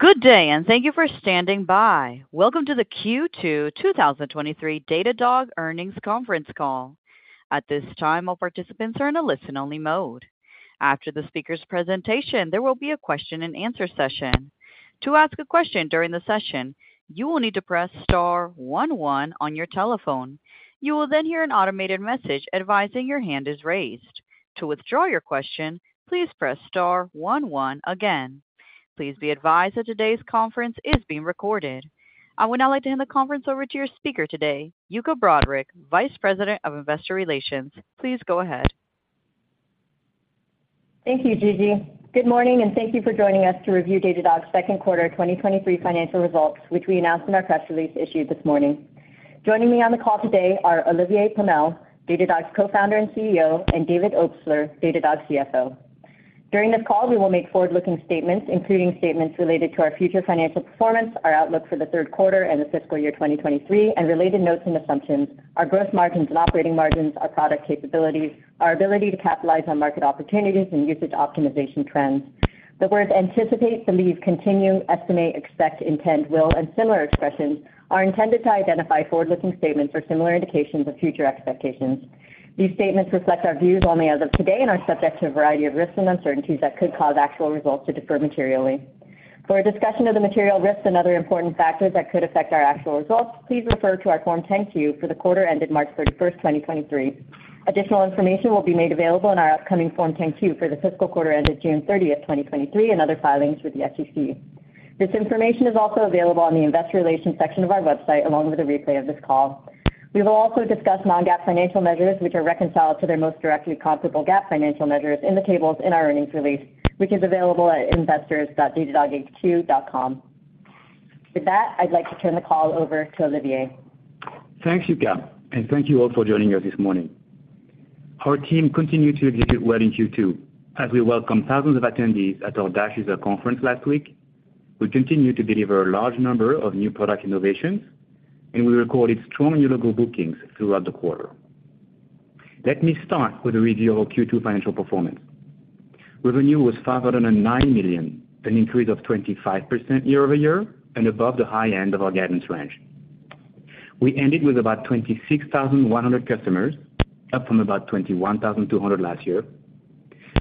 Good day, and thank you for standing by. Welcome to the Q 2023 Datadog earnings conference call. At this time, all participants are in a listen-only mode. After the speaker's presentation, there will be a question-and-answer session. To ask a question during the session, you will need to press star 11 on your telephone. You will then hear an automated message advising your hand is raised. To withdraw your question, please press star 11 again. Please be advised that today's conference is being recorded. I would now like to hand the conference over to your speaker today, Yuki OGawa Broda, Vice President of Investor Relations. Please go ahead. Thank you, Gigi. Good morning, thank you for joining us to review Datadog's second quarter 2023 financial results, which we announced in our press release issued this morning. Joining me on the call today are Olivier Pomel, Datadog's Co-Founder and CEO, and David Obstler, Datadog's CFO. During this call, we will make forward-looking statements, including statements related to our future financial performance, our outlook for the third quarter and the fiscal year 2023, and related notes and assumptions, our growth margins and operating margins, our product capabilities, our ability to capitalize on market opportunities and usage optimization trends. The words anticipate, believe, continue, estimate, expect, intend, will, and similar expressions, are intended to identify forward-looking statements or similar indications of future expectations. These statements reflect our views only as of today and are subject to a variety of risks and uncertainties that could cause actual results to differ materially. For a discussion of the material risks and other important factors that could affect our actual results, please refer to our Form 10-Q for the quarter ended March 31, 2023. Additional information will be made available in our upcoming Form 10-Q for the fiscal quarter ended June 30, 2023, and other filings with the SEC. This information is also available on the investor relations section of our website, along with a replay of this call. We will also discuss non-GAAP financial measures, which are reconciled to their most directly comparable GAAP financial measures in the tables in our earnings release, which is available at investors.datadoghq.com. With that, I'd like to turn the call over to Olivier. Thanks, Yuka, and thank you all for joining us this morning. Our team continued to execute well in Q2 as we welcomed thousands of attendees at our DASH conference last week. We continue to deliver a large number of new product innovations, and we recorded strong new logo bookings throughout the quarter. Let me start with a review of our Q2 financial performance. Revenue was $509 million, an increase of 25% year-over-year and above the high end of our guidance range. We ended with about 26,100 customers, up from about 21,200 last year.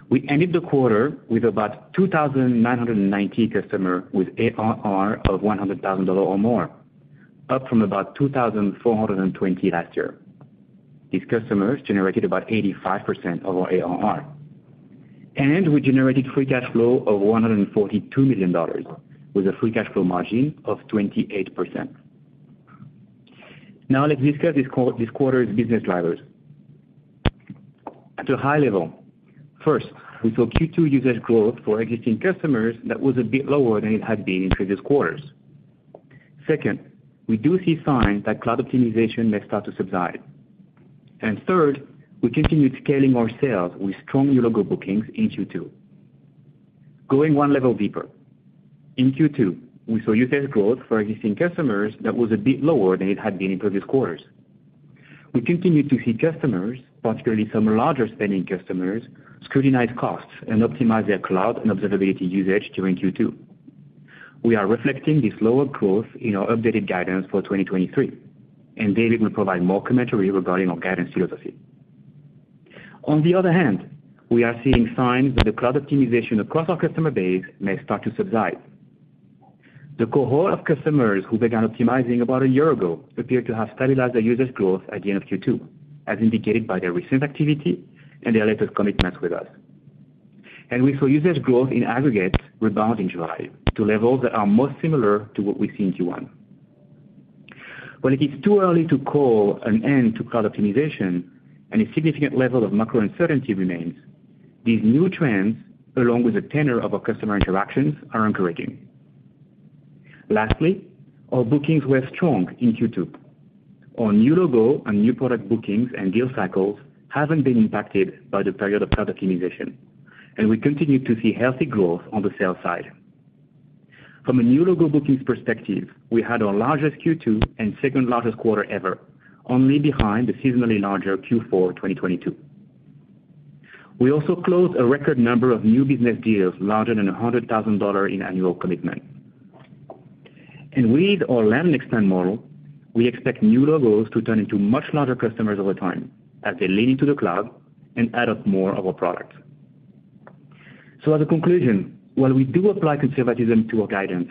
We ended the quarter with about 2,990 customer with ARR of $100,000 or more, up from about 2,420 last year. These customers generated about 85% of our ARR, and we generated free cash flow of $142 million, with a free cash flow margin of 28%. Now let's discuss this quarter's business drivers. At a high level, first, we saw Q2 usage growth for existing customers that was a bit lower than it had been in previous quarters. Second, we do see signs that cloud optimization may start to subside. Third, we continued scaling our sales with strong new logo bookings in Q2. Going one level deeper, in Q2, we saw usage growth for existing customers that was a bit lower than it had been in previous quarters. We continued to see customers, particularly some larger spending customers, scrutinize costs and optimize their cloud and observability usage during Q2. We are reflecting this lower growth in our updated guidance for 2023, David will provide more commentary regarding our guidance philosophy. On the other hand, we are seeing signs that the cloud optimization across our customer base may start to subside. The cohort of customers who began optimizing about a year ago appear to have stabilized their users' growth at the end of Q2, as indicated by their recent activity and their latest commitments with us. We saw usage growth in aggregate rebound in July to levels that are more similar to what we see in Q1. While it is too early to call an end to cloud optimization and a significant level of macro uncertainty remains, these new trends, along with the tenor of our customer interactions, are encouraging. Lastly, our bookings were strong in Q2. Our new logo and new product bookings and deal cycles haven't been impacted by the period of cloud optimization, and we continue to see healthy growth on the sales side. From a new logo bookings perspective, we had our largest Q2 and second-largest quarter ever, only behind the seasonally larger Q4, 2022. We also closed a record number of new business deals larger than $100,000 in annual commitment. With our land expand model, we expect new logos to turn into much larger customers over time as they lean into the cloud and add up more of our products. As a conclusion, while we do apply conservatism to our guidance,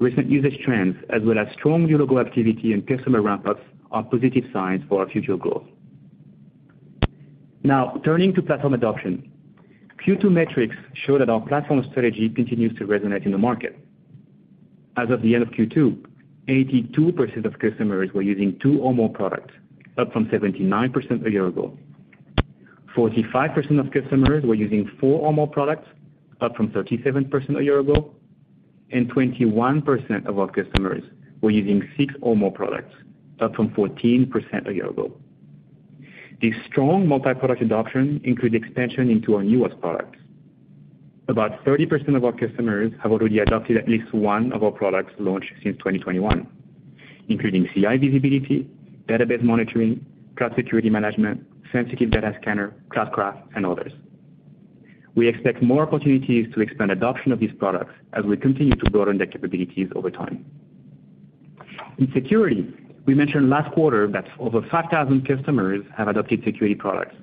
recent usage trends, as well as strong new logo activity and customer ramp-ups, are positive signs for our future growth. Now, turning to platform adoption. Q2 metrics show that our platform strategy continues to resonate in the market. As of the end of Q2, 82% of customers were using two or more products, up from 79% a year ago. 45% of customers were using four or more products, up from 37% a year ago, and 21% of our customers were using six or more products, up from 14% a year ago. This strong multi-product adoption include expansion into our newest products. About 30% of our customers have already adopted at least one of our products launched since 2021, including CI Visibility, Database Monitoring, Cloud Security Management, Sensitive Data Scanner, Cloudcraft, and others. We expect more opportunities to expand adoption of these products as we continue to broaden their capabilities over time. In security, we mentioned last quarter that over 5,000 customers have adopted security products.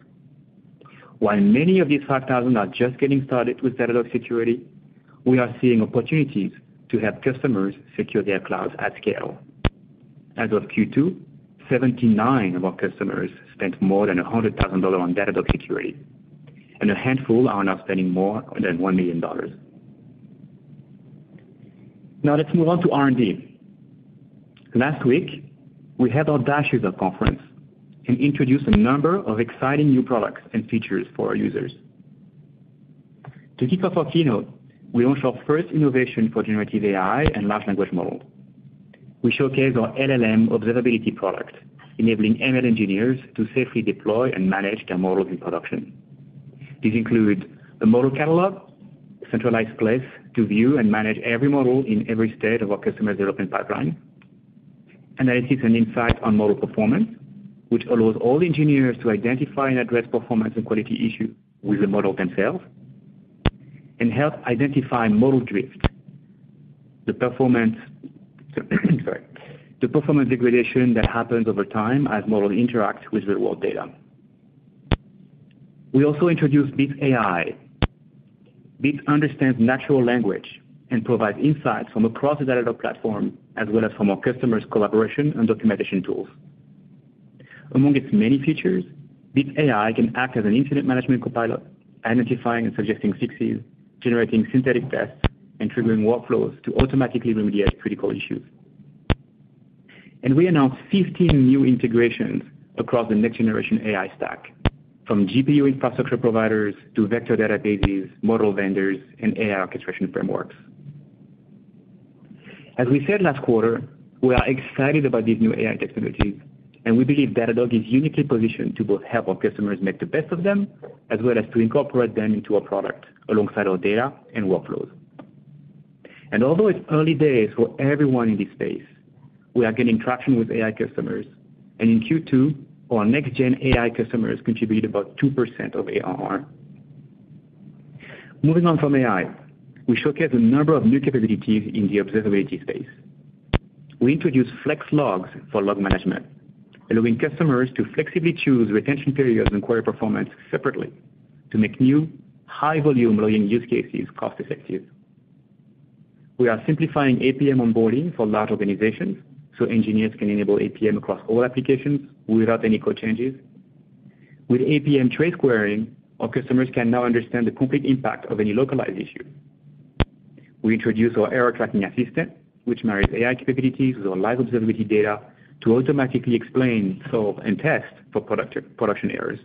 While many of these 5,000 are just getting started with Datadog Security, we are seeing opportunities to help customers secure their clouds at scale. As of Q2, 79 of our customers spent more than $100,000 on Datadog Security. A handful are now spending more than $1 million. Now let's move on to R&D. Last week, we had our DASH user conference and introduced a number of exciting new products and features for our users. To kick off our keynote, we launched our first innovation for generative AI and large language model. We showcased our LLM Observability product, enabling ML engineers to safely deploy and manage their models in production. These include the Model Catalog, a centralized place to view and manage every model in every state of our customer development pipeline, analysis and insight on model performance, which allows all engineers to identify and address performance and quality issue with the model themselves, and help identify model drift, the performance, sorry, the performance degradation that happens over time as model interacts with real-world data. We also introduced Bits AI. Bits AI understands natural language and provides insights from across the Datadog platform, as well as from our customers' collaboration and documentation tools. Among its many features, Bits AI can act as an incident management copilot, identifying and suggesting fixes, generating synthetic tests, and triggering workflows to automatically remediate critical issues. We announced 15 new integrations across the next-generation AI stack, from GPU infrastructure providers to vector databases, model vendors, and AI orchestration frameworks. As we said last quarter, we are excited about these new AI technologies, and we believe Datadog is uniquely positioned to both help our customers make the best of them, as well as to incorporate them into our product alongside our data and workflows. Although it's early days for everyone in this space, we are getting traction with AI customers, and in Q2, our next-gen AI customers contributed about 2% of ARR. Moving on from AI, we showcased a number of new capabilities in the observability space. We introduced Flex Logs for log management, allowing customers to flexibly choose retention periods and query performance separately to make new, high-volume login use cases cost-effective. We are simplifying APM onboarding for large organizations, so engineers can enable APM across all applications without any code changes. With APM trace querying, our customers can now understand the complete impact of any localized issue. We introduced our Error Tracking Assistant, which marries AI capabilities with our live observability data to automatically explain, solve, and test for production errors.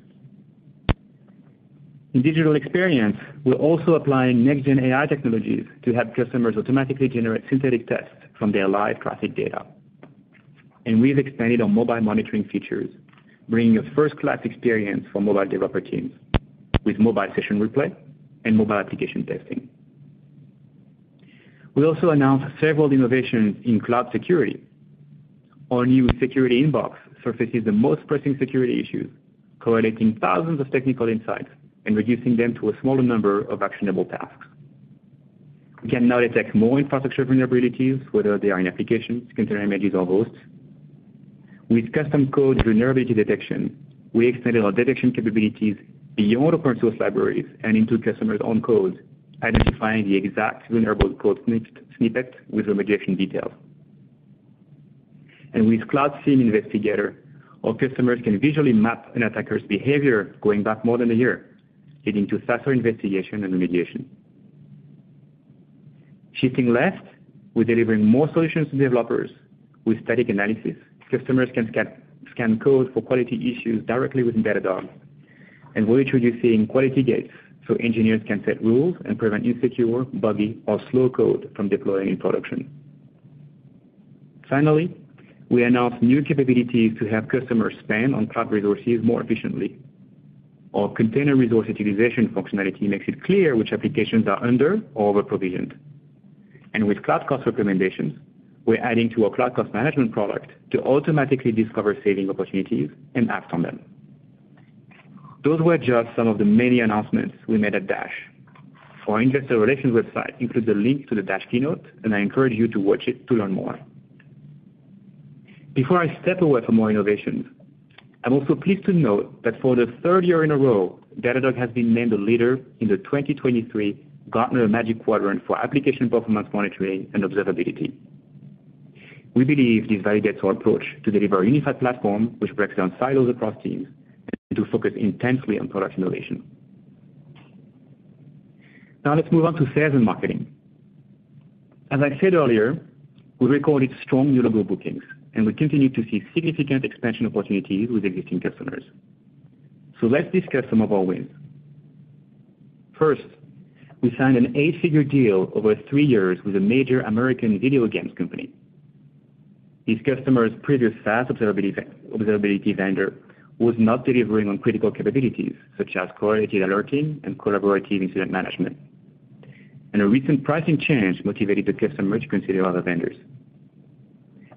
In digital experience, we're also applying next-gen AI technologies to help customers automatically generate synthetic tests from their live traffic data. We've expanded our mobile monitoring features, bringing a first-class experience for mobile developer teams with Mobile Session Replay and Mobile Application Testing. We also announced several innovations in cloud security. Our new Security Inbox surfaces the most pressing security issues, correlating thousands of technical insights and reducing them to a smaller number of actionable tasks. We can now detect more infrastructure vulnerabilities, whether they are in applications, container images, or hosts. With Custom Code Vulnerability Detection, we extended our detection capabilities beyond open-source libraries and into customers' own codes, identifying the exact vulnerable code snippet with remediation details. With Cloud SIEM Investigator, our customers can visually map an attacker's behavior going back more than a year, leading to faster investigation and remediation. Shifting left, we're delivering more solutions to developers with Static Analysis. Customers can scan code for quality issues directly within Datadog, and we're introducing Quality Gates, so engineers can set rules and prevent insecure, buggy, or slow code from deploying in production. Finally, we announced new capabilities to help customers spend on cloud resources more efficiently. Our Container Resource Utilization functionality makes it clear which applications are under or overprovisioned. With Cloud Cost Recommendations, we're adding to our Cloud Cost Management product to automatically discover saving opportunities and act on them. Those were just some of the many announcements we made at DASH. Our investor relations website includes a link to the DASH keynote, and I encourage you to watch it to learn more. Before I step away for more innovations, I'm also pleased to note that for the third year in a row, Datadog has been named a leader in the 2023 Gartner Magic Quadrant for Application Performance Monitoring and Observability. We believe this validates our approach to deliver a unified platform, which breaks down silos across teams and to focus intensely on product innovation. Now let's move on to sales and marketing. As I said earlier, we recorded strong new logo bookings, and we continue to see significant expansion opportunities with existing customers. So let's discuss some of our wins. First, we signed an eight-figure deal over three years with a major American video games company. This customer's previous fast observability vendor was not delivering on critical capabilities, such as correlated alerting and collaborative incident management. A recent pricing change motivated the customer to consider other vendors.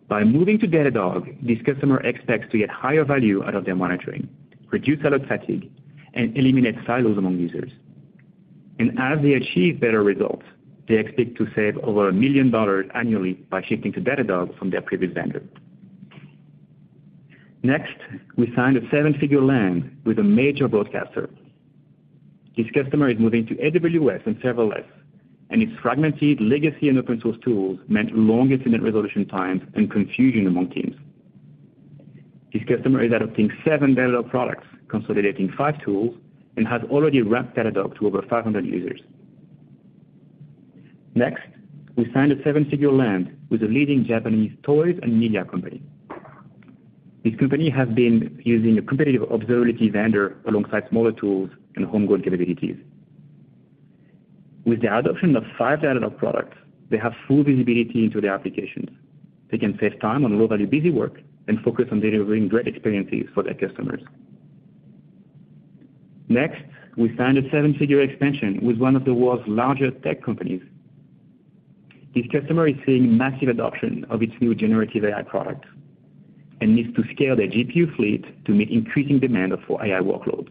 By moving to Datadog, this customer expects to get higher value out of their monitoring, reduce alert fatigue, and eliminate silos among users. As they achieve better results, they expect to save over $1 million annually by shifting to Datadog from their previous vendor. Next, we signed a seven-figure land with a major broadcaster. This customer is moving to AWS and serverless. Its fragmented legacy and open source tools meant long incident resolution times and confusion among teams. This customer is adopting seven Datadog products, consolidating five tools, and has already ramped Datadog to over 500 users. Next, we signed a seven-figure land with a leading Japanese toys and media company. This company has been using a competitive observability vendor alongside smaller tools and homegrown capabilities. With the adoption of 5 Datadog products, they have full visibility into their applications. They can save time on low-value busy work and focus on delivering great experiences for their customers. Next, we signed a 7-figure expansion with one of the world's largest tech companies. This customer is seeing massive adoption of its new generative AI product and needs to scale their GPU fleet to meet increasing demand for AI workloads.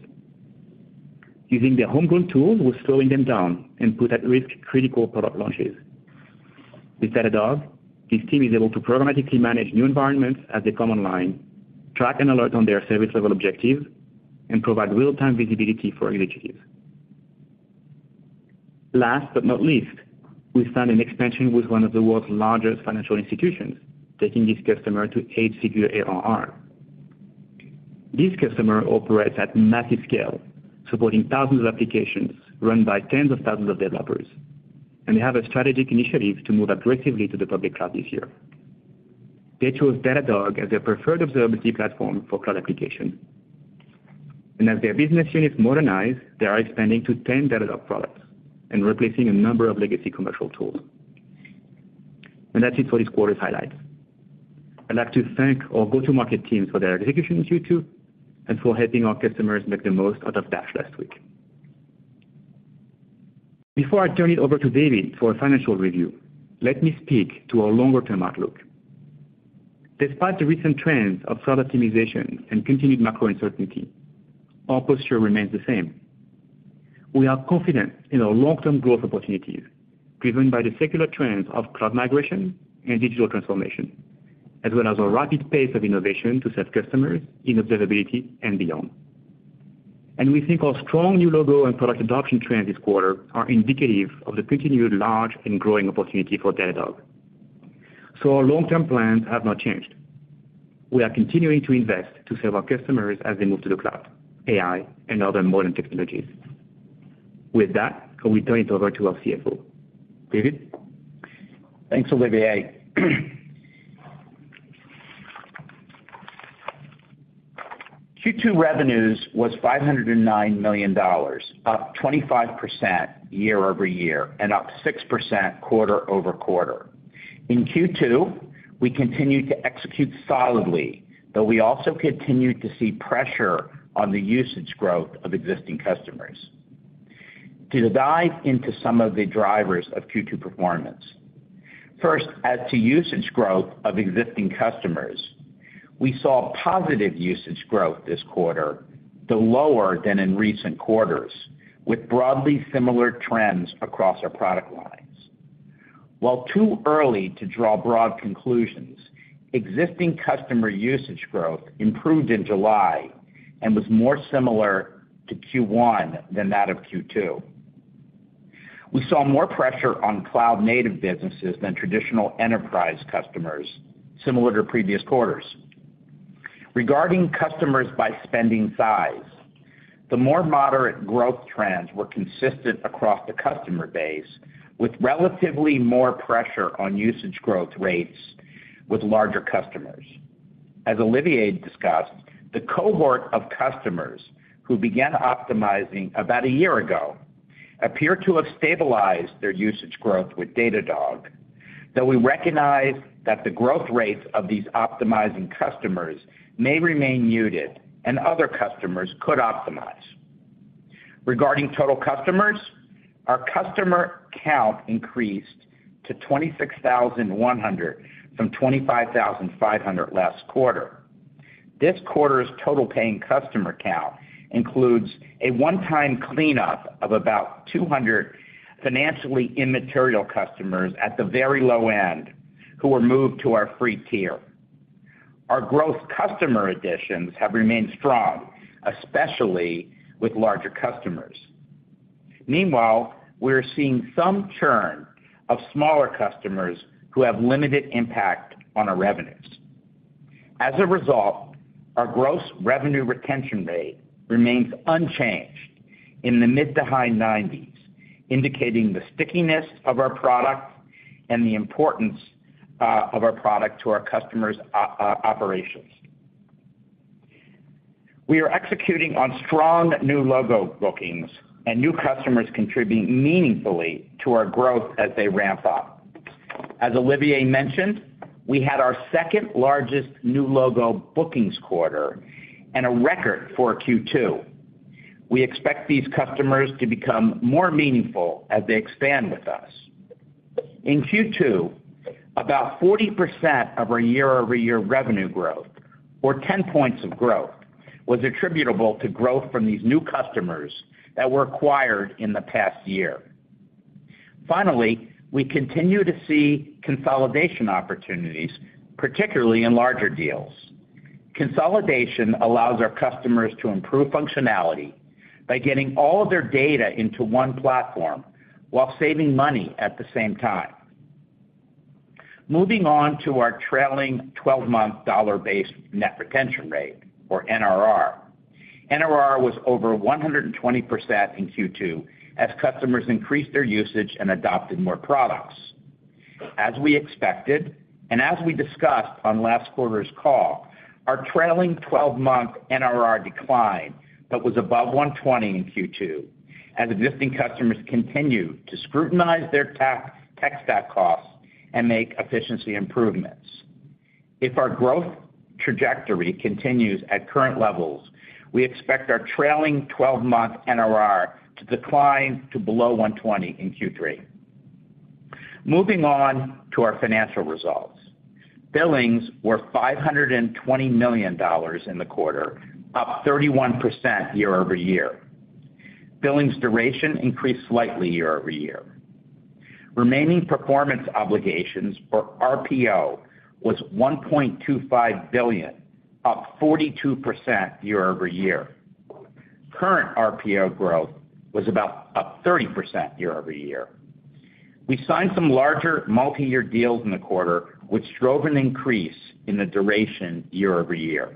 Using their homegrown tool was slowing them down and put at risk critical product launches. With Datadog, this team is able to programmatically manage new environments as they come online, track and alert on their service level objectives, and provide real-time visibility for initiatives. Last but not least, we signed an expansion with one of the world's largest financial institutions, taking this customer to 8-figure ARR. This customer operates at massive scale, supporting thousands of applications run by tens of thousands of developers, and they have a strategic initiative to move aggressively to the public cloud this year. They chose Datadog as their preferred observability platform for cloud application. As their business units modernize, they are expanding to 10 Datadog products and replacing a number of legacy commercial tools. That's it for this quarter's highlights. I'd like to thank our go-to-market teams for their execution in Q2 and for helping our customers make the most out of DASH last week. Before I turn it over to David for a financial review, let me speak to our longer-term outlook. Despite the recent trends of cloud optimization and continued macro uncertainty, our posture remains the same. We are confident in our long-term growth opportunities, driven by the secular trends of cloud migration and digital transformation, as well as a rapid pace of innovation to serve customers in observability and beyond. We think our strong new logo and product adoption trends this quarter are indicative of the continued large and growing opportunity for Datadog. Our long-term plans have not changed. We are continuing to invest to serve our customers as they move to the cloud, AI, and other modern technologies. With that, I will turn it over to our CFO. David? Thanks, Olivier. Q2 revenues was $509 million, up 25% year-over-year and up 6% quarter-over-quarter. In Q2, we continued to execute solidly, though we also continued to see pressure on the usage growth of existing customers. To dive into some of the drivers of Q2 performance, first, as to usage growth of existing customers, we saw positive usage growth this quarter, though lower than in recent quarters, with broadly similar trends across our product lines. While too early to draw broad conclusions, existing customer usage growth improved in July and was more similar to Q1 than that of Q2. We saw more pressure on cloud-native businesses than traditional enterprise customers, similar to previous quarters. Regarding customers by spending size, the more moderate growth trends were consistent across the customer base, with relatively more pressure on usage growth rates with larger customers. As Olivier discussed, the cohort of customers who began optimizing about a year ago appear to have stabilized their usage growth with Datadog, though we recognize that the growth rates of these optimizing customers may remain muted and other customers could optimize. Regarding total customers, our customer count increased to 26,100 from 25,500 last quarter. This quarter's total paying customer count includes a one-time cleanup of about 200 financially immaterial customers at the very low end, who were moved to our free tier. Our growth customer additions have remained strong, especially with larger customers. Meanwhile, we are seeing some churn of smaller customers who have limited impact on our revenues. As a result, our gross revenue retention rate remains unchanged in the mid to high 90s, indicating the stickiness of our product and the importance of our product to our customers' operations. We are executing on strong new logo bookings and new customers contributing meaningfully to our growth as they ramp up. As Olivier mentioned, we had our second-largest new logo bookings quarter and a record for Q2. We expect these customers to become more meaningful as they expand with us. In Q2, about 40% of our year-over-year revenue growth, or 10 points of growth, was attributable to growth from these new customers that were acquired in the past year. Finally, we continue to see consolidation opportunities, particularly in larger deals. Consolidation allows our customers to improve functionality by getting all of their data into one platform while saving money at the same time. Moving on to our trailing twelve-month dollar-based net retention rate, or NRR. NRR was over 120% in Q2 as customers increased their usage and adopted more products. As we expected, and as we discussed on last quarter's call, our trailing twelve-month NRR declined, but was above 120% in Q2, as existing customers continued to scrutinize their tech stack costs and make efficiency improvements. If our growth trajectory continues at current levels, we expect our trailing twelve-month NRR to decline to below 120% in Q3. Moving on to our financial results. Billings were $520 million in the quarter, up 31% year-over-year. Billings duration increased slightly year-over-year. Remaining performance obligations, or RPO, was $1.25 billion, up 42% year-over-year. Current RPO growth was about up 30% year-over-year. We signed some larger multiyear deals in the quarter, which drove an increase in the duration year-over-year.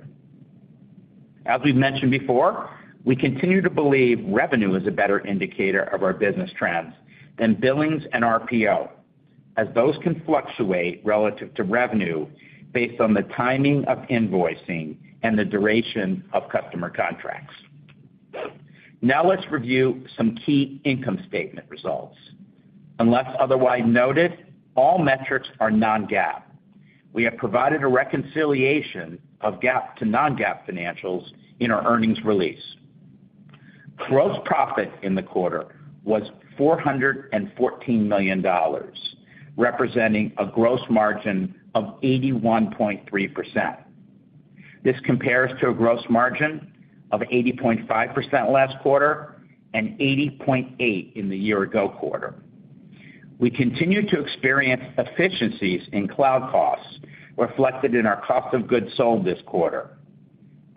As we've mentioned before, we continue to believe revenue is a better indicator of our business trends than billings and RPO, as those can fluctuate relative to revenue based on the timing of invoicing and the duration of customer contracts. Now, let's review some key income statement results. Unless otherwise noted, all metrics are non-GAAP. We have provided a reconciliation of GAAP to non-GAAP financials in our earnings release. Gross profit in the quarter was $414 million, representing a gross margin of 81.3%. This compares to a gross margin of 80.5% last quarter and 80.8% in the year-ago quarter. We continue to experience efficiencies in cloud costs, reflected in our cost of goods sold this quarter.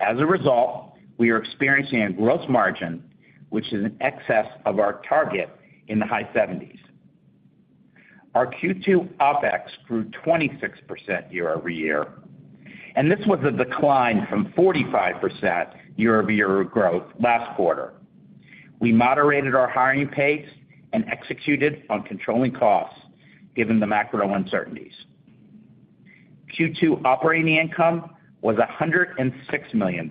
As a result, we are experiencing a gross margin, which is in excess of our target in the high seventies. Our Q2 OpEx grew 26% year-over-year, and this was a decline from 45% year-over-year growth last quarter. We moderated our hiring pace and executed on controlling costs, given the macro uncertainties. Q2 operating income was $106 million,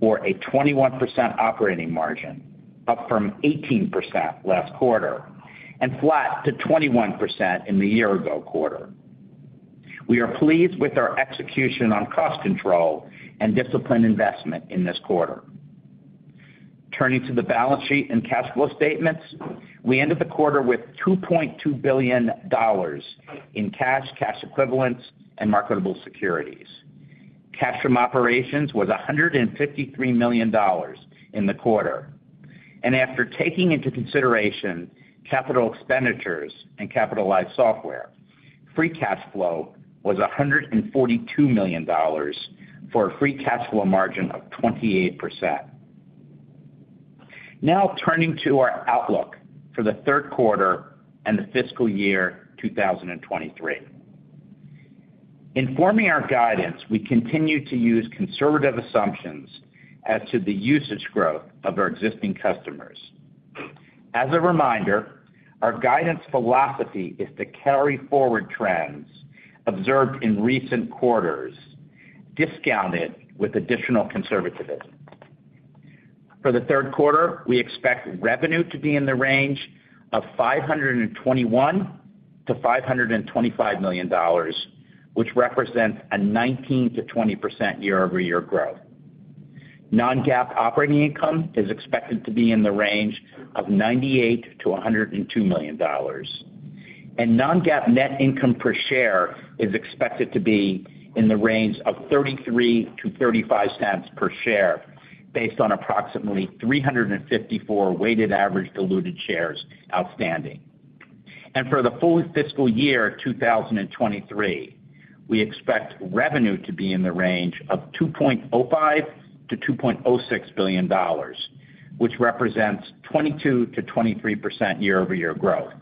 or a 21% operating margin, up from 18% last quarter and flat to 21% in the year-ago quarter. We are pleased with our execution on cost control and disciplined investment in this quarter. Turning to the balance sheet and cash flow statements. We ended the quarter with $2.2 billion in cash, cash equivalents, and marketable securities. Cash from operations was $153 million in the quarter, after taking into consideration capital expenditures and capitalized software, free cash flow was $142 million, for a free cash flow margin of 28%. Turning to our outlook for the third quarter and the fiscal year 2023. In forming our guidance, we continue to use conservative assumptions as to the usage growth of our existing customers. As a reminder, our guidance philosophy is to carry forward trends observed in recent quarters, discounted with additional conservatism. For the third quarter, we expect revenue to be in the range of $521 million-$525 million, which represents a 19%-20% year-over-year growth. Non-GAAP operating income is expected to be in the range of $98 million-$102 million, and non-GAAP net income per share is expected to be in the range of $0.33-$0.35 per share, based on approximately 354 million weighted average diluted shares outstanding. For the full fiscal year 2023, we expect revenue to be in the range of $2.05 billion-$2.06 billion, which represents 22%-23% year-over-year growth.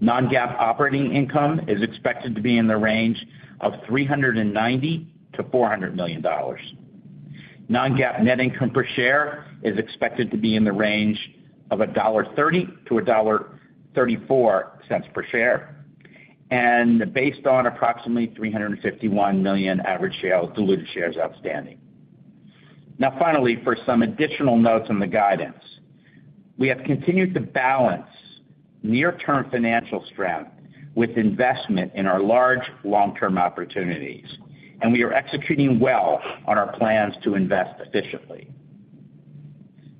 Non-GAAP operating income is expected to be in the range of $390 million-$400 million. Non-GAAP net income per share is expected to be in the range of $1.30-$1.34 per share, and based on approximately 351 million diluted shares outstanding. Now finally, for some additional notes on the guidance. We have continued to balance near-term financial strength with investment in our large long-term opportunities, and we are executing well on our plans to invest efficiently.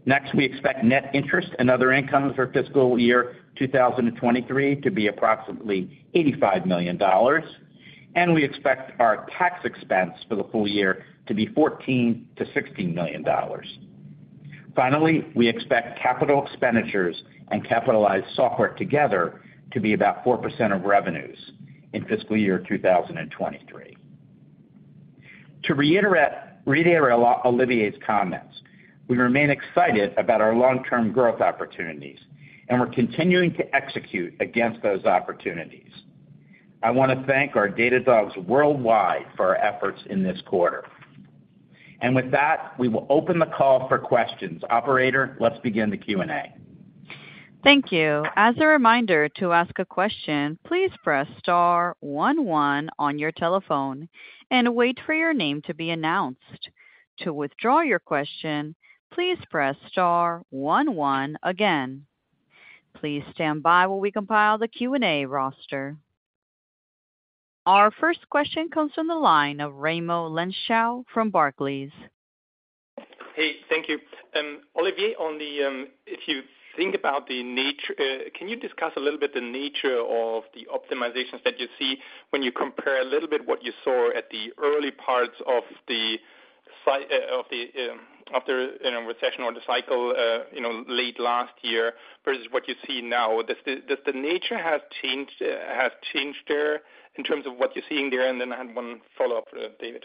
Next, we expect net interest and other income for fiscal year 2023 to be approximately $85 million, and we expect our tax expense for the full year to be $14 million-$16 million. Finally, we expect capital expenditures and capitalized software together to be about 4% of revenues in fiscal year 2023. To reiterate, reiterate Olivier's comments, we remain excited about our long-term growth opportunities, and we're continuing to execute against those opportunities. I want to thank our Datadogs worldwide for our efforts in this quarter. With that, we will open the call for questions. Operator, let's begin the Q&A. Thank you. As a reminder, to ask a question, please press star one one on your telephone and wait for your name to be announced. To withdraw your question, please press star one one again. Please stand by while we compile the Q&A roster. Our first question comes from the line of Raimo Lenschow from Barclays. Hey, thank you. Olivier, on the, if you think about the nature, can you discuss a little bit the nature of the optimizations that you see when you compare a little bit what you saw at the early parts of the, you know, recession or the cycle, you know, late last year versus what you see now? Does the, does the nature has changed, has changed there in terms of what you're seeing there? Then I had one follow-up, David.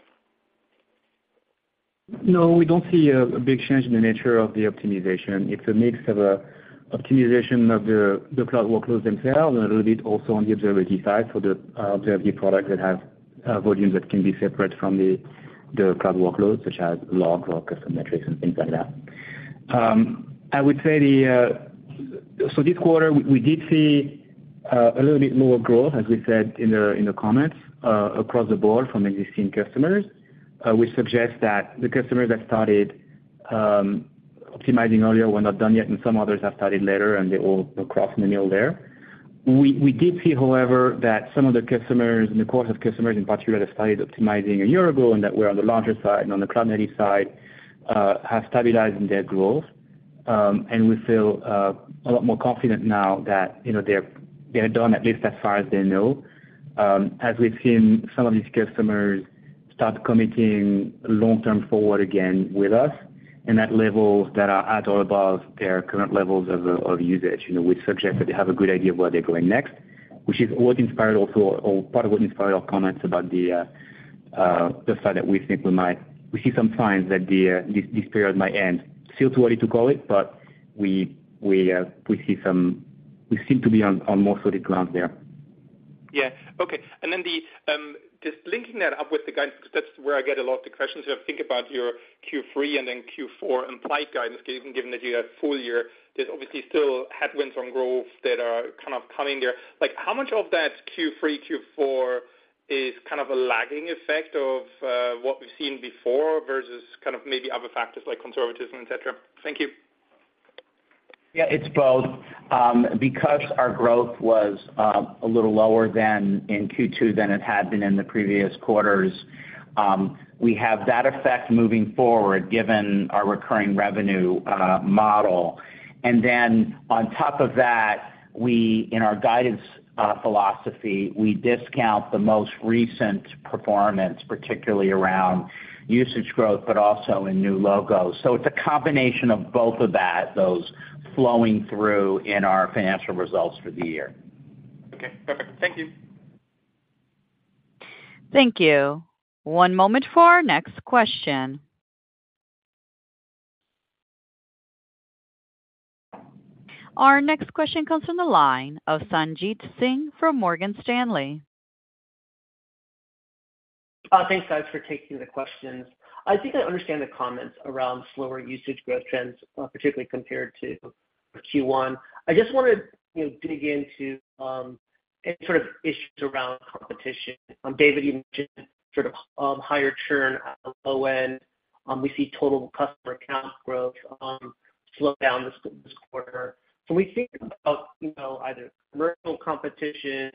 No, we don't see a big change in the nature of the optimization. It's a mix of optimization of the cloud workloads themselves, and a little bit also on the observability side, so the observability product that have volumes that can be separate from the cloud workloads, such as logs or custom metrics and things like that. I would say the... This quarter, we did see a little bit more growth, as we said in the comments, across the board from existing customers, which suggests that the customers that started optimizing earlier were not done yet, and some others have started later, and they're all across in the middle there. We, we did see, however, that some of the customers, in the course of customers in particular, that started optimizing a year ago and that were on the larger side and on the cloud-native side, have stabilized in their growth. We feel a lot more confident now that, you know, they're, they're done at least as far as they know. As we've seen some of these customers start committing long-term forward again with us, and that levels that are at or above their current levels of usage, you know, which suggests that they have a good idea of where they're going next, which is what inspired also, or part of what inspired our comments about the fact that we think we see some signs that this, this period might end. Still too early to call it, but we seem to be on more solid ground there. Yeah. Okay. Then the, just linking that up with the guidance, because that's where I get a lot of the questions. Think about your Q3 and then Q4 and pipe guidance, given, given that you have full year, there's obviously still headwinds on growth that are kind of coming there. Like, how much of that Q3, Q4 is kind of a lagging effect of, what we've seen before, versus kind of maybe other factors like conservatism, et cetera? Thank you. Yeah, it's both. Because our growth was a little lower than in Q2 than it had been in the previous quarters, we have that effect moving forward, given our recurring revenue model. Then on top of that, we, in our guidance philosophy, we discount the most recent performance, particularly around usage growth, but also in new logos. It's a combination of both of that, those flowing through in our financial results for the year. Okay, perfect. Thank you. Thank you. One moment for our next question. Our next question comes from the line of Sanjit Singh from Morgan Stanley. Thanks, guys, for taking the questions. I think I understand the comments around slower usage growth trends, particularly compared to Q1. I just want to, you know, dig into any sort of issues around competition. David, you mentioned sort of higher churn at the low end. We see total customer account growth slow down this, this quarter. We think about, you know, either commercial competition,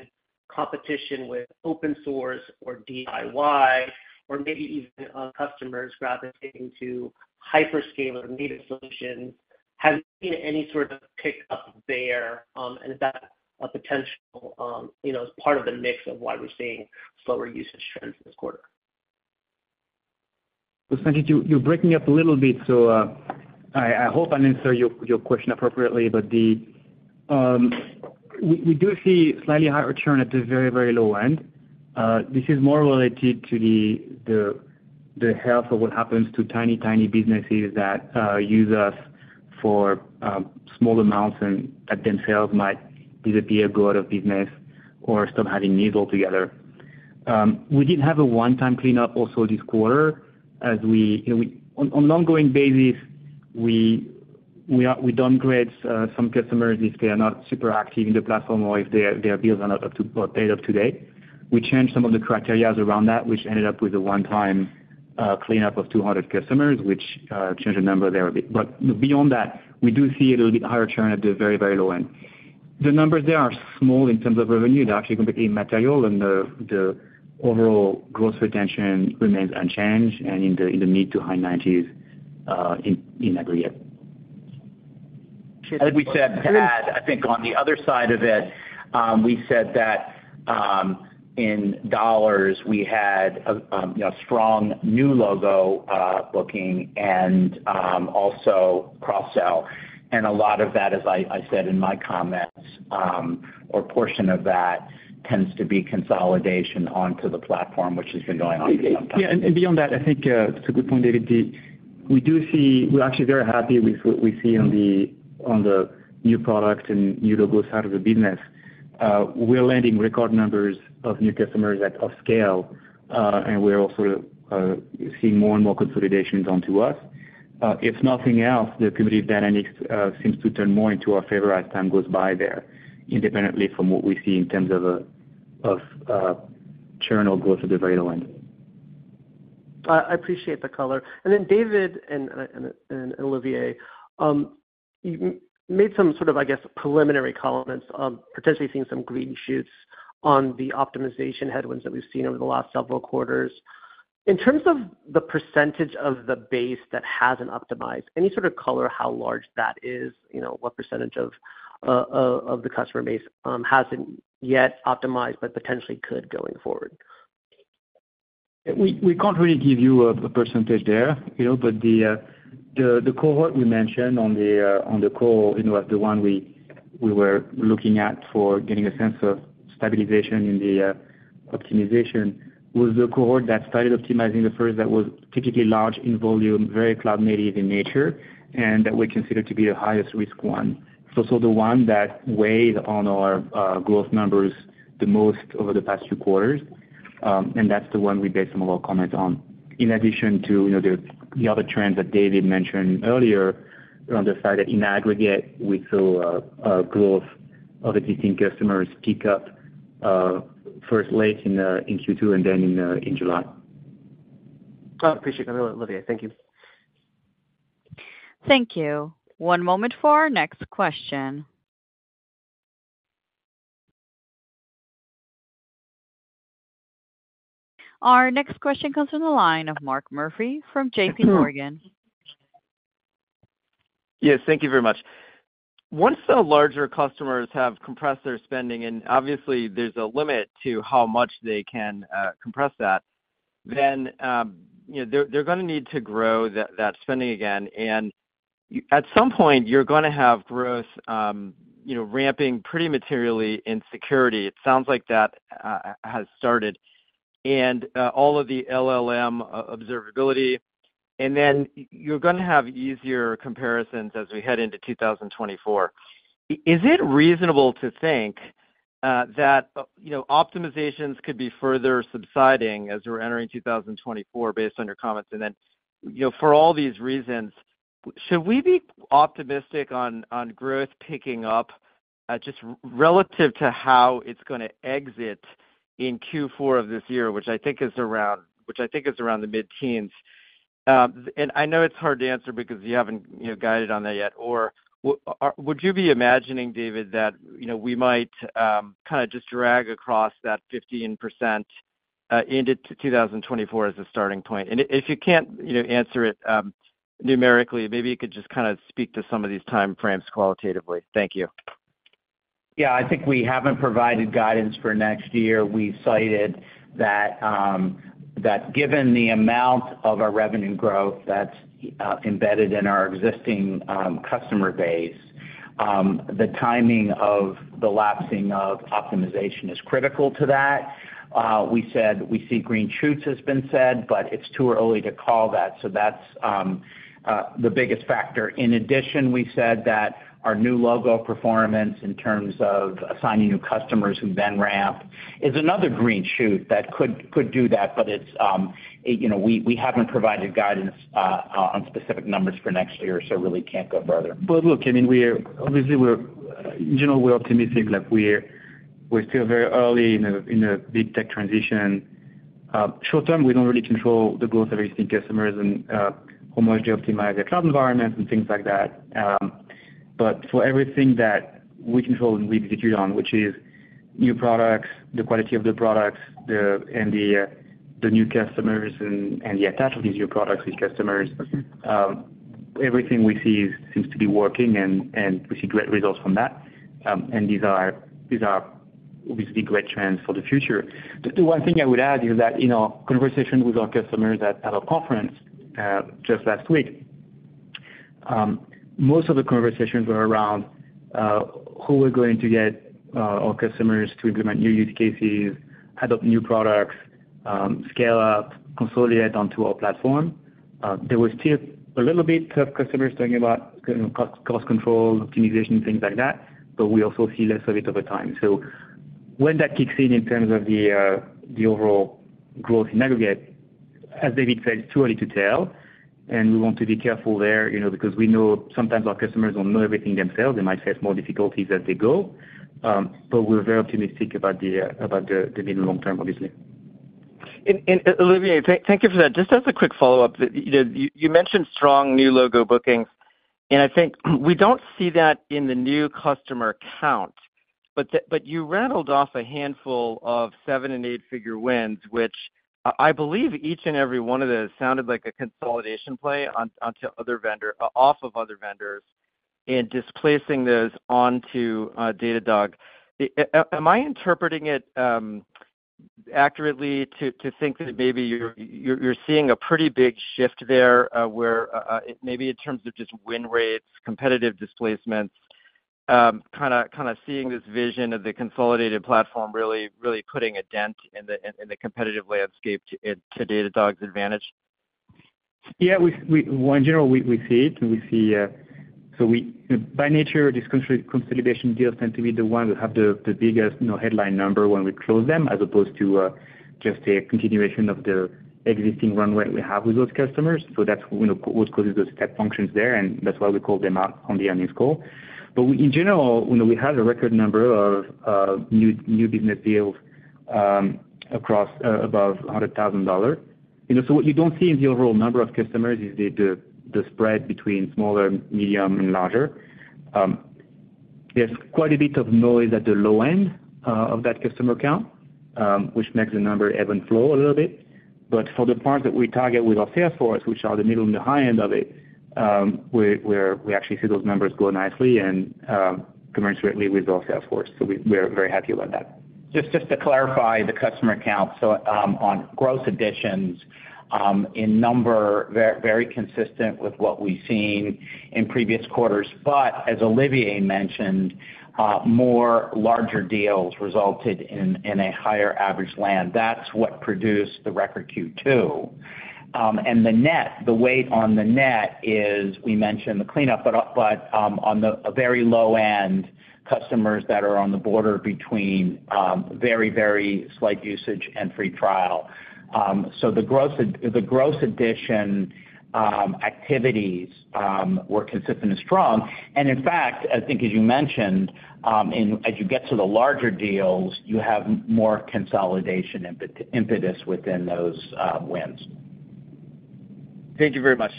competition with open source or DIY, or maybe even customers gravitating to hyperscaler native solutions. Have you seen any sort of pick up there? Is that a potential, you know, as part of the mix of why we're seeing slower usage trends this quarter? Sanjit, you're breaking up a little bit, so I hope I answer your question appropriately. We do see slightly higher churn at the very, very low end. This is more related to the health of what happens to tiny, tiny businesses that use us for small amounts and that themselves might disappear, go out of business, or stop having need all together. We did have a one-time cleanup also this quarter, as we, you know, on an ongoing basis, we downgrade some customers if they are not super active in the platform or if their bills are not up to or paid up to date. We changed some of the criteria around that, which ended up with a one-time cleanup of 200 customers, which changed the number there a bit. Beyond that, we do see a little bit higher churn at the very, very low end. The numbers there are small in terms of revenue. They're actually completely immaterial, and the overall growth retention remains unchanged and in the mid to high 90s in aggregate. I think we said that, I think on the other side of it, we said that, in dollars, we had, you know, strong new logo, booking and, also cross-sell. A lot of that, as I, I said in my comments, or portion of that tends to be consolidation onto the platform, which has been going on for some time. Yeah, and beyond that, I think it's a good point, David. We do see, we're actually very happy with what we see on the new products and new logo side of the business. We're landing record numbers of new customers at off scale, and we're also seeing more and more consolidations onto us. If nothing else, the competitive dynamics seems to turn more into our favor as time goes by there, independently from what we see in terms of churn or growth at the very low end. I, I appreciate the color. David and Olivier, you made some sort of, I guess, preliminary comments on potentially seeing some green shoots on the optimization headwinds that we've seen over the last several quarters. In terms of the percentage of the base that hasn't optimized, any sort of color, how large that is? You know, what percentage of the customer base hasn't yet optimized, but potentially could going forward? We, we can't really give you a, a percentage there, you know, but the, the, the cohort we mentioned on the, on the call, you know, the one we, we were looking at for getting a sense of stabilization in the, optimization, was the cohort that started optimizing the first, that was typically large in volume, very cloud-native in nature, and that we consider to be the highest risk one. The one that weighed on our, growth numbers the most over the past 2 quarters, and that's the one we based some of our comments on. In addition to, you know, the, the other trends that David mentioned earlier, on the side, in aggregate, we saw a, a growth of existing customers pick up, first late in, in Q2 and then in, in July. I appreciate that, Olivier. Thank you. Thank you. One moment for our next question. Our next question comes from the line of Mark Murphy from JP Morgan. Yes, thank you very much. Once the larger customers have compressed their spending, and obviously there's a limit to how much they can compress that, then, you know, they're, they're gonna need to grow that, that spending again. At some point, you're gonna have growth, you know, ramping pretty materially in security. It sounds like that has started. All of the LLM Observability, and then you're gonna have easier comparisons as we head into 2024. Is it reasonable to think that, you know, optimizations could be further subsiding as we're entering 2024, based on your comments? You know, for all these reasons, should we be optimistic on, on growth picking up, just relative to how it's gonna exit in Q4 of this year, which I think is around the mid-teens? I know it's hard to answer because you haven't, you know, guided on that yet. Or would you be imagining, David, that, you know, we might kind of just drag across that 15% into 2024 as a starting point? If you can't, you know, answer it numerically, maybe you could just kind of speak to some of these time frames qualitatively. Thank you. Yeah. I think we haven't provided guidance for next year. We've cited that, that given the amount of our revenue growth that's embedded in our existing customer base, the timing of the lapsing of optimization is critical to that. We said we see green shoots, has been said, but it's too early to call that, so that's the biggest factor. In addition, we said that our new logo performance, in terms of assigning new customers who then ramp, is another green shoot that could, could do that, but it's, you know, we, we haven't provided guidance on specific numbers for next year, so really can't go further. Look, I mean, we're obviously, we're, in general, we're optimistic. Like, we're, we're still very early in a, in a big tech transition. Short term, we don't really control the growth of existing customers and how much they optimize their cloud environment and things like that. For everything that we control and we execute on, which is new products, the quality of the products, the, and the new customers and the attach of these new products with customers, everything we see seems to be working, and we see great results from that. These are, these are obviously great trends for the future. The one thing I would add is that, in our conversation with our customers at a conference, just last week, most of the conversations were around how we're going to get our customers to implement new use cases, adopt new products, scale up, consolidate onto our platform. There was still a little bit of customers talking about co- cost control, optimization, things like that, but we also see less of it over time. When that kicks in, in terms of the overall growth in aggregate? As David said, it's too early to tell, and we want to be careful there, you know, because we know sometimes our customers don't know everything themselves. They might face more difficulties as they go. We're very optimistic about the mid-long term, obviously. Olivier, thank, thank you for that. Just as a quick follow-up, you know, you mentioned strong new logo bookings, and I think we don't see that in the new customer count. You rattled off a handful of seven and eight-figure wins, which I, I believe each and every one of those sounded like a consolidation play on, onto other vendor- off of other vendors, and displacing those onto Datadog. Am I interpreting it accurately to think that maybe you're, you're, you're seeing a pretty big shift there, where maybe in terms of just win rates, competitive displacements, kind of, kind of seeing this vision of the consolidated platform really, really putting a dent in the, in the competitive landscape to Datadog's advantage? Yeah, well, in general, we see it, and we see. We, by nature, these consolidation deals tend to be the ones that have the biggest, you know, headline number when we close them, as opposed to just a continuation of the existing run rate we have with those customers. That's, you know, what causes those step functions there, and that's why we call them out on the earnings call. We, in general, you know, we had a record number of new business deals across above $100,000. What you don't see in the overall number of customers is the spread between smaller, medium, and larger. There's quite a bit of noise at the low end of that customer count, which makes the number ebb and flow a little bit. For the part that we target with our sales force, which are the middle and the high end of it, we actually see those numbers grow nicely and commensurately with our sales force. We're very happy about that. Just, just to clarify the customer count. On growth additions, in number, very, very consistent with what we've seen in previous quarters. As Olivier mentioned, more larger deals resulted in, in a higher average land. That's what produced the record Q2. The net, the weight on the net is, we mentioned the cleanup, but, but, on the, a very low end, customers that are on the border between, very, very slight usage and free trial. The growth add- the growth addition, activities, were consistent and strong. In fact, I think as you mentioned, in, as you get to the larger deals, you have more consolidation impet- impetus within those, wins. Thank you very much.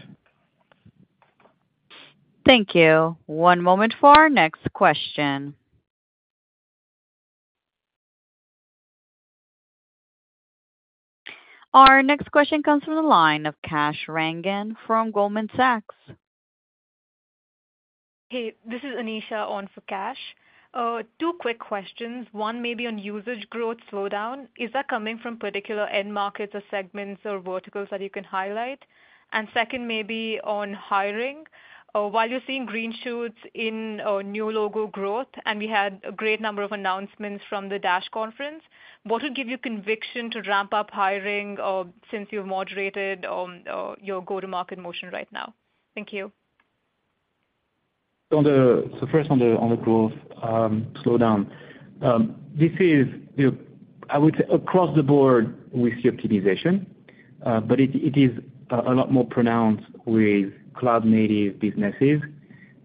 Thank you. One moment for our next question. Our next question comes from the line of Kash Rangan from Goldman Sachs. Hey, this is Anisha on for Kash. Two quick questions. One may be on usage growth slowdown. Is that coming from particular end markets or segments or verticals that you can highlight? Second, maybe on hiring. While you're seeing green shoots in new logo growth, and we had a great number of announcements from the DASH conference, what would give you conviction to ramp up hiring, since you've moderated on your go-to-market motion right now? Thank you. On the, so first on the, on the growth, slowdown. This is the, I would say, across the board, we see optimization, but it, it is a, a lot more pronounced with cloud-native businesses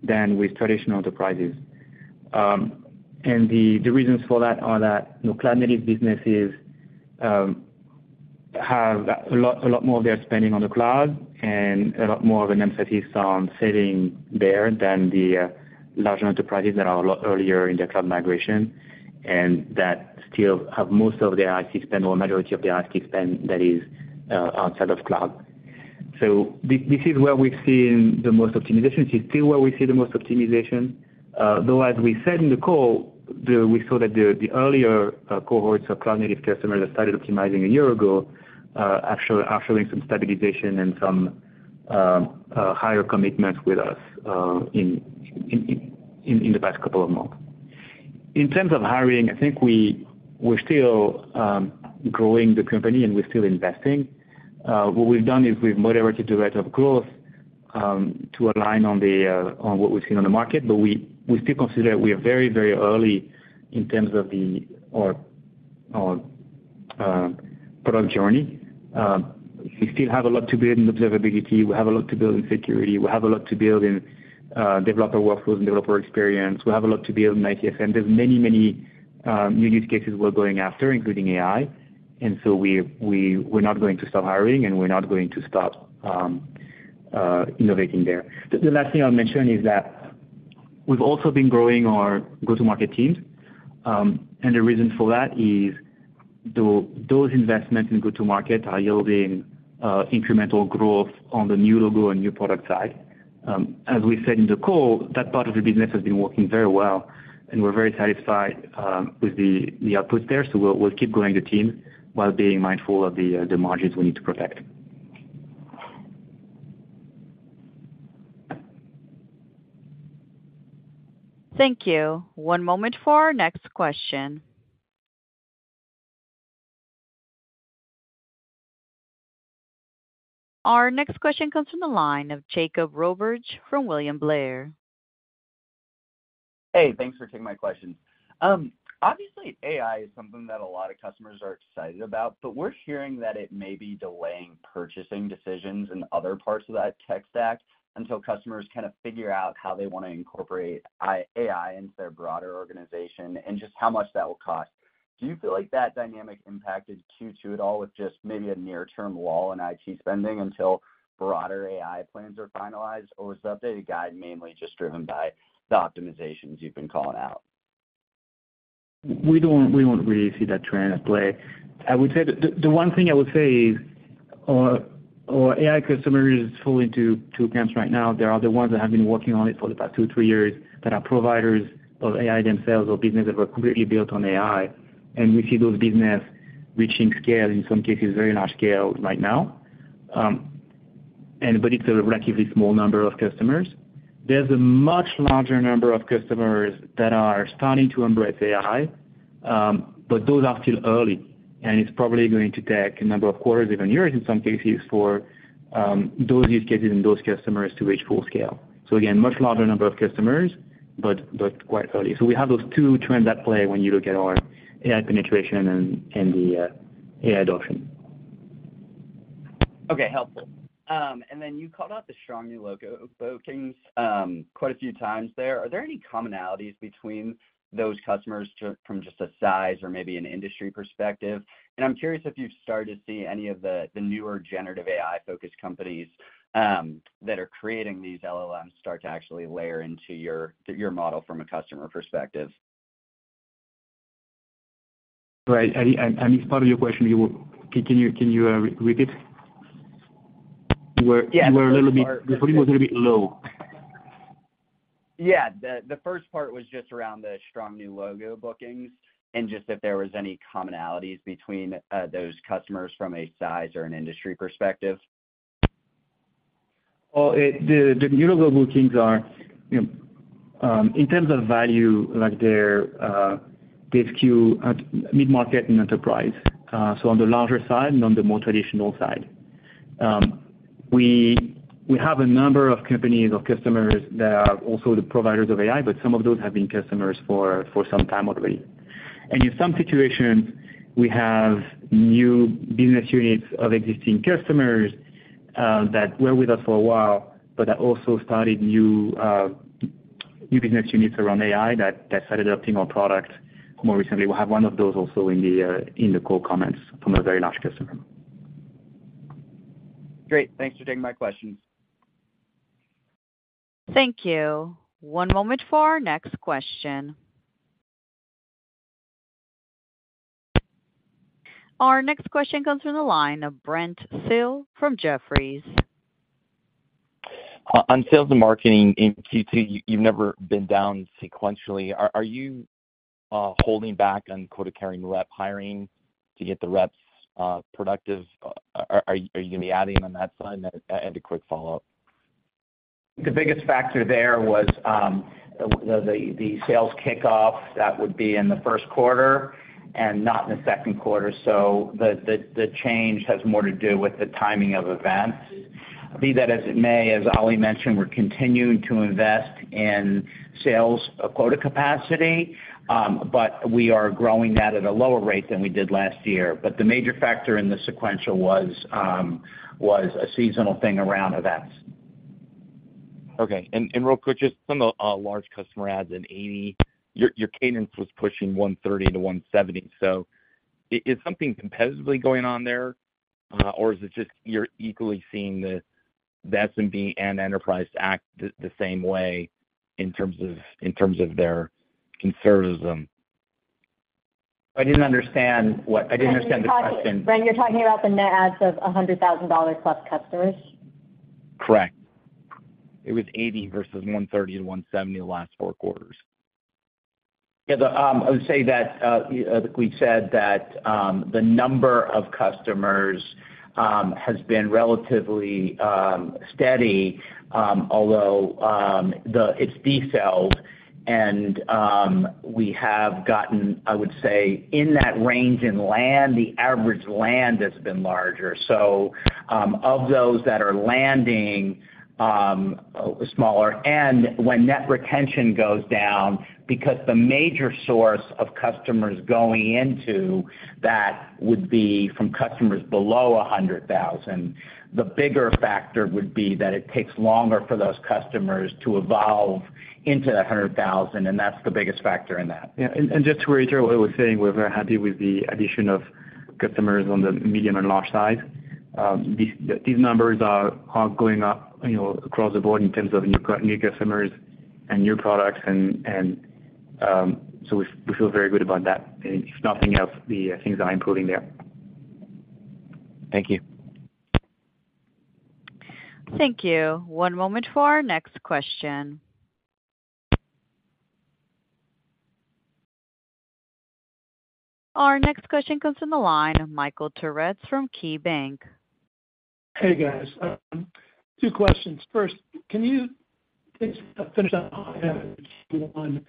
than with traditional enterprises. The, the reasons for that are that, you know, cloud-native businesses, have a lot, a lot more of their spending on the cloud, and a lot more of an emphasis on selling there than the, larger enterprises that are a lot earlier in their cloud migration, and that still have most of their IT spend or majority of their IT spend that is, outside of cloud. This, this is where we've seen the most optimization. It's still where we see the most optimization, though, as we said in the call, the, we saw that the, the earlier cohorts of cloud-native customers that started optimizing a year ago, are showing, are showing some stabilization and some higher commitment with us, in, in, in, in the past couple of months. In terms of hiring, I think we're still growing the company, and we're still investing. What we've done is we've moderated the rate of growth, to align on the on what we've seen on the market, but we, we still consider we are very, very early in terms of the, our product journey. We still have a lot to build in observability. We have a lot to build in security. We have a lot to build in developer workflow, developer experience. We have a lot to build in ICS, and there's many, many, unique use cases we're going after, including AI. We're not going to stop hiring, and we're not going to stop innovating there. Last thing I'll mention is that we've also been growing our go-to-market teams, and the reason for that is though those investments in go-to-market are yielding incremental growth on the new logo and new product side. We said in the call, that part of the business has been working very well, and we're very satisfied with the output there. We'll keep growing the team while being mindful of the margins we need to protect. Thank you. One moment for our next question. Our next question comes from the line of Jake Roberge, from William Blair. Hey, thanks for taking my questions. obviously, AI is something that a lot of customers are excited about, but we're hearing that it may be delaying purchasing decisions in other parts of that tech stack until customers kind of figure out how they want to incorporate AI into their broader organization and just how much that will cost. Do you feel like that dynamic impacted Q2 at all with just maybe a near-term wall in IT spending until broader AI plans are finalized? Or was the updated guide mainly just driven by the optimizations you've been calling out? We don't, we don't really see that trend at play. I would say that the, the one thing I would say is, our, our AI customers fall into two camps right now. There are the ones that have been working on it for the past two, three years, that are providers of AI themselves or businesses that were completely built on AI. We see those business reaching scale, in some cases, very large scale right now. It's a relatively small number of customers. There's a much larger number of customers that are starting to embrace AI, but those are still early, and it's probably going to take a number of quarters, even years in some cases, for those use cases and those customers to reach full scale. Again, much larger number of customers, but, but quite early. We have those two trends at play when you look at our AI penetration and the AI adoption. Okay, helpful. And then you called out the strong new logo bookings quite a few times there. Are there any commonalities between those customers from just a size or maybe an industry perspective? And I'm curious if you've started to see any of the, the newer generative AI-focused companies that are creating these LLMs start to actually layer into your, your model from a customer perspective. Right. I, I'm, I missed part of your question. You, can you, can you, repeat? You were Yeah. You were a little bit- The first part The volume was a little bit low. Yeah, the, the first part was just around the strong new logo bookings, and just if there was any commonalities between those customers from a size or an industry perspective. Well, the, the new logo bookings are, you know, in terms of value, like, they're this Q at mid-market and enterprise, so on the larger side and on the more traditional side. We, we have a number of companies or customers that are also the providers of AI, but some of those have been customers for, for some time already. In some situations, we have new business units of existing customers that were with us for a while, but that also started new business units around AI that, that started adopting our product more recently. We'll have one of those also in the core comments from a very large customer. Great. Thanks for taking my questions. Thank you. One moment for our next question. Our next question comes from the line of Brent Thill from Jefferies. On sales and marketing in Q2, you've never been down sequentially. Are you holding back on quota-carrying rep hiring to get the reps productive? Are you gonna be adding on that side? A quick follow-up. The biggest factor there was, the, the, the sales kickoff that would be in the first quarter and not in the second quarter. The, the, the change has more to do with the timing of events. Be that as it may, as Oli mentioned, we're continuing to invest in sales quota capacity, but we are growing that at a lower rate than we did last year. The major factor in the sequential was, was a seasonal thing around events. Okay. Real quick, just some of the large customer adds in 80, your cadence was pushing 130 to 170. Is something competitively going on there? Or is it just you're equally seeing the SMB and enterprise act the same way in terms of their conservatism? I didn't understand what... I didn't understand the question. Brent, you're talking about the net adds of a $100,000 plus customers? Correct. It was 80 versus 130-170 the last 4 quarters. Yeah, the... I would say that we've said that the number of customers has been relatively steady, although it's decelerated. We have gotten, I would say, in that range in land, the average land has been larger. Of those that are landing, a smaller end when net retention goes down, because the major source of customers going into that would be from customers below 100,000. The bigger factor would be that it takes longer for those customers to evolve into that 100,000, and that's the biggest factor in that. Yeah, and, and just to reiterate what I was saying, we're very happy with the addition of customers on the medium and large side. These, these numbers are, are going up, you know, across the board in terms of new new customers and new products and, and, so we, we feel very good about that. If nothing else, the things are improving there. Thank you. Thank you. One moment for our next question. Our next question comes from the line of Michael Turits from KeyBanc. Hey, guys. 2 questions. First, can you finish up on 1?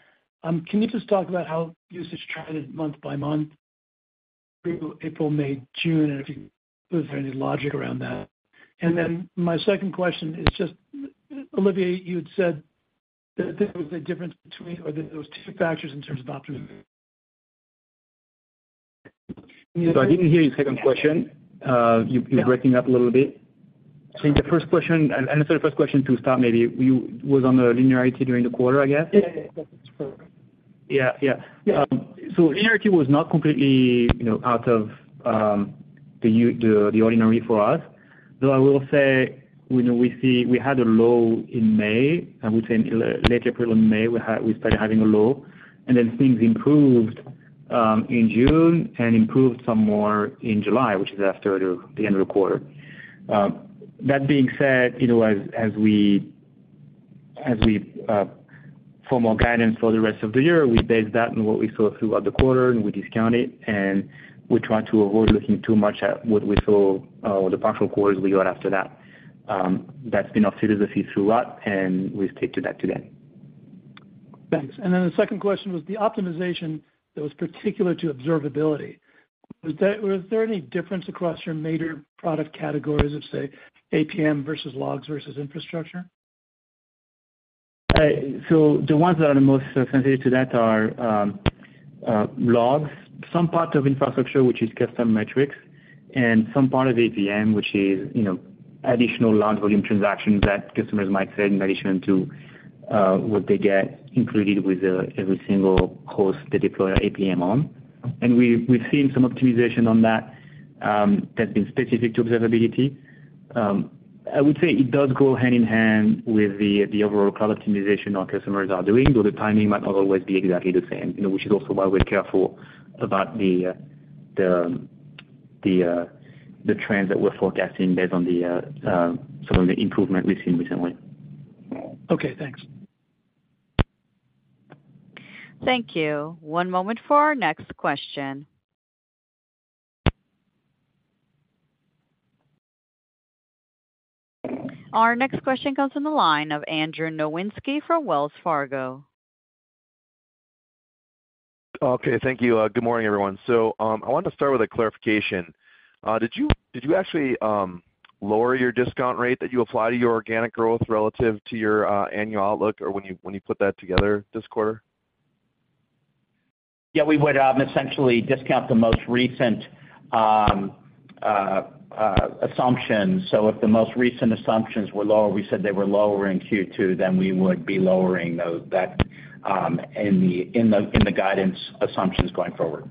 Can you just talk about how usage trended month-by-month? April, May, June, and if there any logic around that? My second question is just, Olivier, you'd said that there was a difference between or that those 2 factors in terms of optimism. I didn't hear your second question. You, you're breaking up a little bit. The first question, and, and the sort of first question to start, maybe you was on the linearity during the quarter, I guess? Yeah, that's correct. Yeah, yeah. Linearity was not completely, you know, out of the ordinary for us. Though I will say, you know, we had a low in May. I would say in late April and May, we started having a low, and then things improved in June and improved some more in July, which is after the end of the quarter. That being said, you know, as we form more guidance for the rest of the year, we base that on what we saw throughout the quarter, and we discount it, and we try to avoid looking too much at what we saw, the partial quarters we got after that. That's been our philosophy throughout, and we stick to that today. Thanks. Then the second question was the optimization that was particular to observability. Was there any difference across your major product categories of, say, APM versus logs versus infrastructure? The ones that are the most sensitive to that are logs. Some parts of infrastructure, which is custom metrics, and some part of APM, which is, you know, additional large volume transactions that customers might sell in addition to what they get included with the every single host they deploy APM on. We've, we've seen some optimization on that that's been specific to observability. I would say it does go hand in hand with the, the overall cloud optimization our customers are doing, though the timing might not always be exactly the same. You know, which is also why we're careful about the the the trends that we're forecasting based on the some of the improvement we've seen recently. Okay, thanks. Thank you. One moment for our next question. Our next question comes from the line of Andrew Nowinski from Wells Fargo. Okay. Thank you. Good morning, everyone. I wanted to start with a clarification. Did you, did you actually lower your discount rate that you apply to your organic growth relative to your annual outlook or when you, when you put that together this quarter? Yeah, we would essentially discount the most recent assumptions. If the most recent assumptions were lower, we said they were lower in Q2, then we would be lowering those, that, in the guidance assumptions going forward.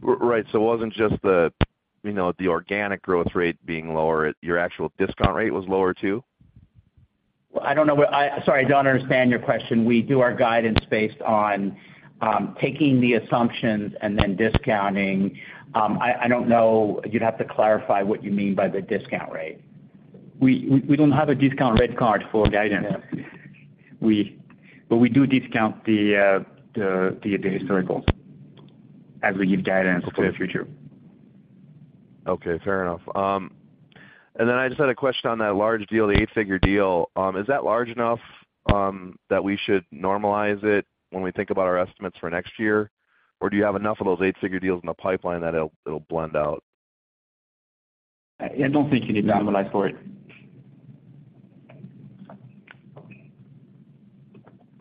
Right. It wasn't just the, you know, the organic growth rate being lower, your actual discount rate was lower, too? Well, I don't know what... sorry, I don't understand your question. We do our guidance based on taking the assumptions and then discounting. I, I don't know. You'd have to clarify what you mean by the discount rate. We, we, we don't have a discount rate card for guidance. Yeah. We, but we do discount the historical as we give guidance for the future. Okay, fair enough. Then I just had a question on that large deal, the eight-figure deal. Is that large enough that we should normalize it when we think about our estimates for next year? Do you have enough of those eight-figure deals in the pipeline that it'll blend out? I don't think you need to normalize for it.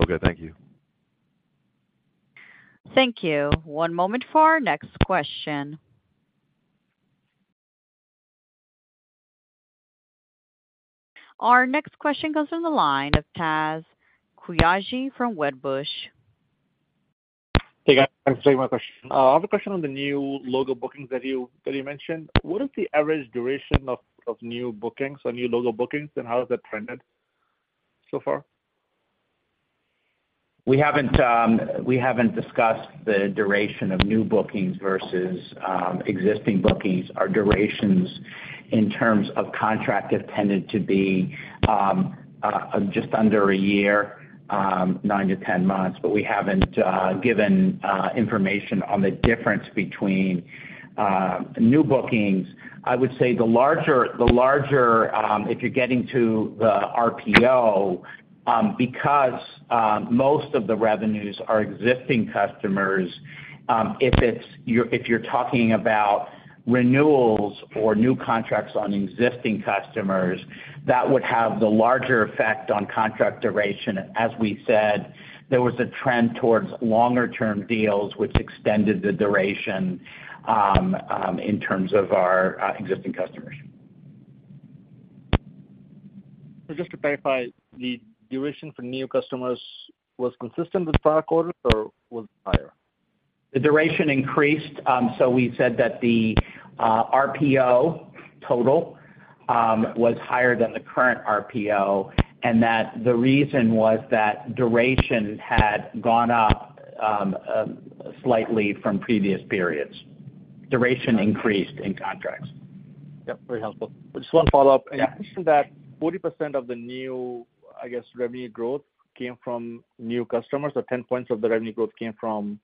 Okay, thank you. Thank you. One moment for our next question. Our next question goes on the line of Taz Koujalgi from Wedbush. Hey, guys, thanks for taking my question. I have a question on the new logo bookings that you, that you mentioned. What is the average duration of, of new bookings or new logo bookings, and how has that trended so far? We haven't, we haven't discussed the duration of new bookings versus existing bookings. Our durations in terms of contract have tended to be just under 1 year, 9 to 10 months, but we haven't given information on the difference between new bookings. I would say the larger, the larger, if you're getting to the RPO, because most of the revenues are existing customers, if you're talking about renewals or new contracts on existing customers, that would have the larger effect on contract duration. As we said, there was a trend towards longer term deals, which extended the duration in terms of our existing customers. Just to clarify, the duration for new customers was consistent with the prior quarter or was higher? The duration increased, so we said that the RPO total was higher than the current RPO, and that the reason was that duration had gone up slightly from previous periods. Duration increased in contracts. Yep, very helpful. Just 1 follow-up. Yeah. You mentioned that 40% of the new, I guess, revenue growth came from new customers, or 10 points of the revenue growth came from,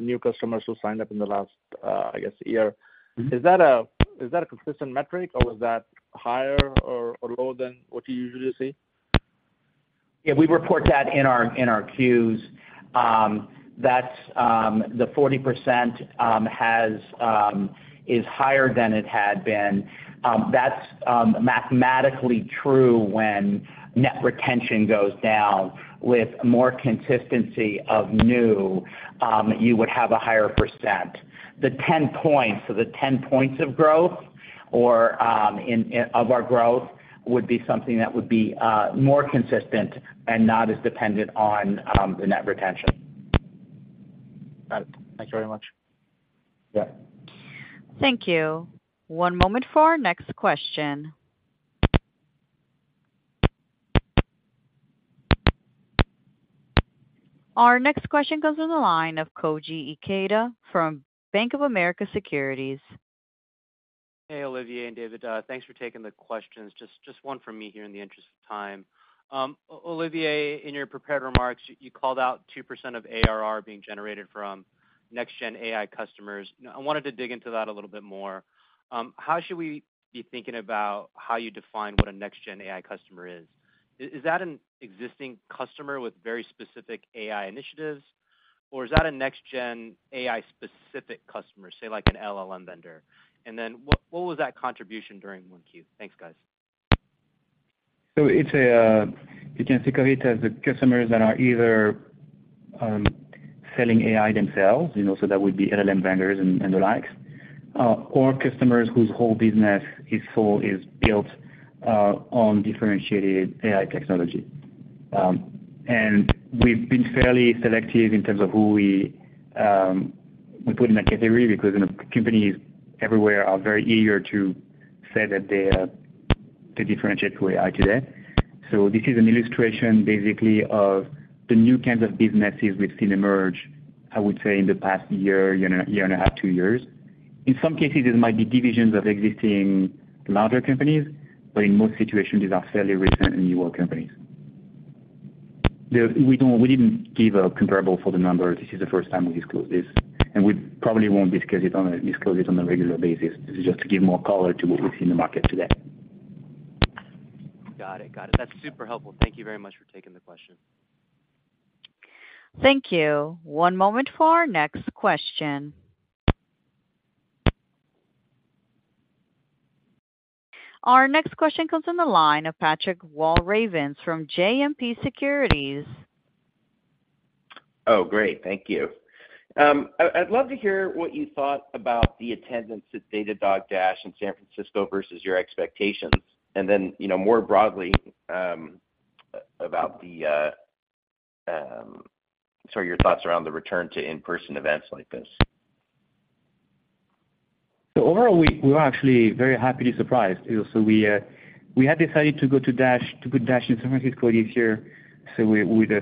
new customers who signed up in the last, I guess, year. Mm-hmm. Is that a consistent metric, or was that higher or lower than what you usually see? Yeah, we report that in our, in our Q's. That's the 40% has is higher than it had been. That's mathematically true when net retention goes down. With more consistency of new, you would have a higher percent. The 10 points, so the 10 points of growth or of our growth would be something that would be more consistent and not as dependent on the net retention. Got it. Thank you very much. Yeah. Thank you. One moment for our next question. Our next question comes on the line of Koji Ikeda from Bank of America Securities. Hey, Olivier and David, thanks for taking the questions. Just, just one from me here in the interest of time. Olivier, in your prepared remarks, you, you called out 2% of ARR being generated from next gen AI customers. I wanted to dig into that a little bit more. How should we be thinking about how you define what a next gen AI customer is? Is that an existing customer with very specific AI initiatives, or is that a next gen AI specific customer, say, like an LLM vendor? And then what was that contribution during 1 Q? Thanks, guys. It's a, you can think of it as the customers that are either selling AI themselves, you know, so that would be LLM vendors and, and the likes, or customers whose whole business is built on differentiated AI technology. And we've been fairly selective in terms of who we put in that category, because, you know, companies everywhere are very eager to say that they differentiate with AI today. This is an illustration, basically, of the new kinds of businesses we've seen emerge, I would say, in the past year, year and a half, two years. In some cases, this might be divisions of existing larger companies, but in most situations, these are fairly recent and newer companies. We don't, we didn't give a comparable for the number. This is the first time we disclose this, and we probably won't discuss it, disclose it on a regular basis. This is just to give more color to what we see in the market today. Got it. Got it. That's super helpful. Thank you very much for taking the question. Thank you. One moment for our next question. Our next question comes on the line of Patrick Walravens from JMP Securities. Oh, great. Thank you. I, I'd love to hear what you thought about the attendance at Datadog Dash in San Francisco versus your expectations, and then, you know, more broadly, about the, so your thoughts around the return to in-person events like this. Overall, we were actually very happily surprised. We had decided to go to DASH, to put DASH in San Francisco this year, so we'd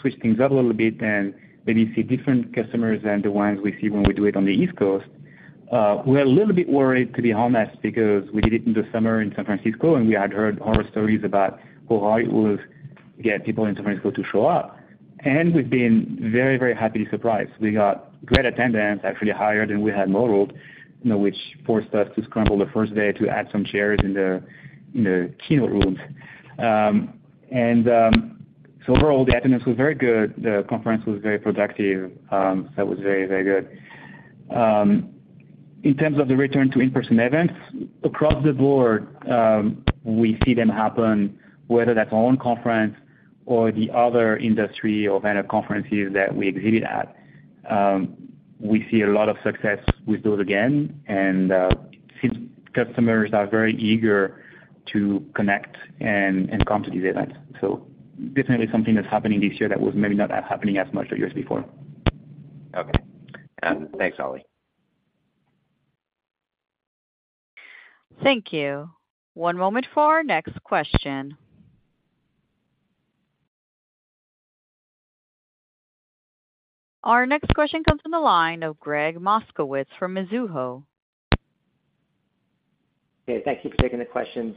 switch things up a little bit and maybe see different customers than the ones we see when we do it on the East Coast. We're a little bit worried, to be honest, because we did it in the summer in San Francisco, and we had heard horror stories about how hard it was to get people in San Francisco to show up. We've been very, very happily surprised. We got great attendance, actually higher than we had modeled, you know, which forced us to scramble the first day to add some chairs in the keynote rooms. Overall, the attendance was very good. The conference was very productive. It was very, very good. In terms of the return to in-person events, across the board, we see them happen, whether that's our own conference or the other industry or vendor conferences that we exhibit at. We see a lot of success with those again, since customers are very eager to connect and, and come to these events. Definitely something that's happening this year that was maybe not happening as much the years before. Okay. Thanks, Oli. Thank you. One moment for our next question. Our next question comes from the line of Gregg Moskowitz from Mizuho. Okay, thank you for taking the questions.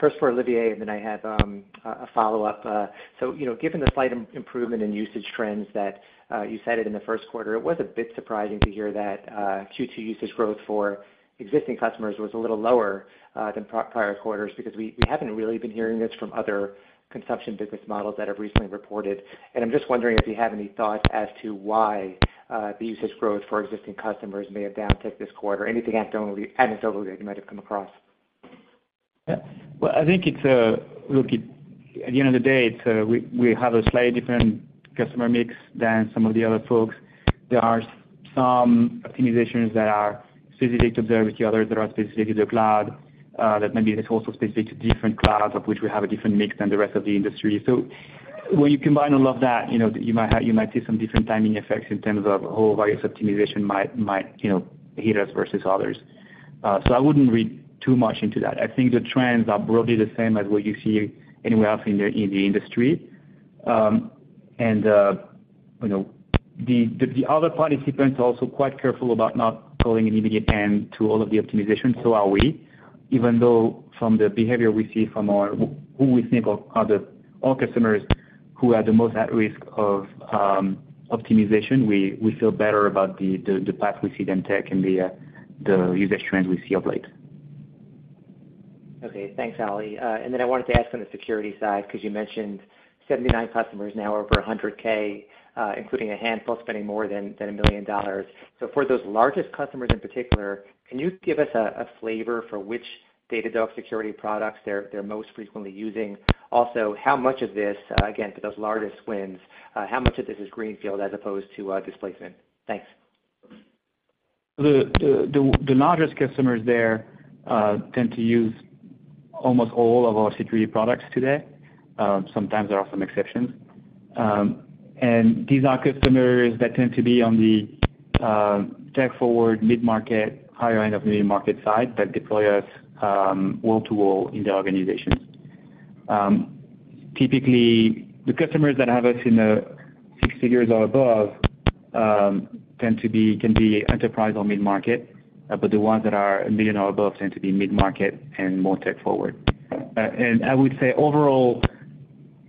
First for Olivier, and then I have a follow-up. You know, given the slight improvement in usage trends that you cited in the first quarter, it was a bit surprising to hear that Q2 usage growth for existing customers was a little lower than prior quarters, because we haven't really been hearing this from other consumption business models that have recently reported. I'm just wondering if you have any thoughts as to why the usage growth for existing customers may have downticked this quarter? Anything anecdotally that you might have come across. Yeah. Well, I think look, at the end of the day, it's, we have a slightly different customer mix than some of the other folks. There are some optimizations that are specific to them, with others that are specific to the cloud, that maybe it's also specific to different clouds, of which we have a different mix than the rest of the industry. When you combine all of that, you know, you might see some different timing effects in terms of how various optimization might, you know, hit us versus others. I wouldn't read too much into that. I think the trends are broadly the same as what you see anywhere else in the industry. You know, the, the, the other participants are also quite careful about not calling an immediate end to all of the optimization. So are we, even though from the behavior we see from our who we think are the, our customers who are the most at risk of optimization, we, we feel better about the, the, the path we see them take and the usage trends we see of late. Okay, thanks, Ali. I wanted to ask on the security side, because you mentioned 79 customers now over 100K, including a handful spending more than $1 million. For those largest customers in particular, can you give us a flavor for which Datadog Security products they're most frequently using? Also, how much of this, again, for those largest wins, how much of this is greenfield as opposed to displacement? Thanks. The, the, the, the largest customers there tend to use almost all of our security products today. Sometimes there are some exceptions. These are customers that tend to be on the tech forward, mid-market, higher end of the market side, that deploy us wall-to-wall in the organization. Typically, the customers that have us in the six figures or above tend to be can be enterprise or mid-market, but the ones that are 1 million or above tend to be mid-market and more tech forward. I would say overall,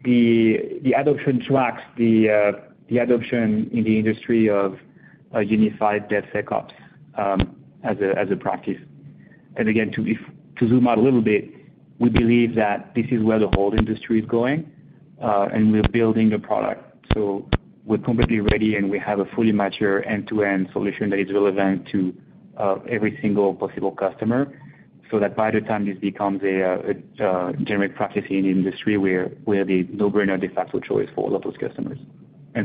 the, the adoption tracks the adoption in the industry of a unified DevSecOps as a practice. Again, to be to zoom out a little bit, we believe that this is where the whole industry is going, and we're building a product. We're completely ready, and we have a fully mature end-to-end solution that is relevant to every single possible customer, so that by the time this becomes a generic practice in the industry, we're, we're the no-brainer de facto choice for a lot of those customers.